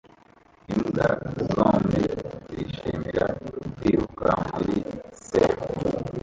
Imbwa zombi zishimira kwiruka muri serf